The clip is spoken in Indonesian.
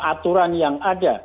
aturan yang ada